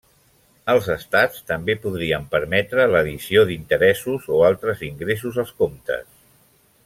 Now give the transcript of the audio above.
Els Estats també podrien permetre l'addició d'interessos o altres ingressos als comptes.